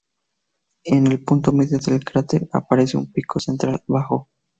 En el punto medio del cráter aparece un pico central bajo.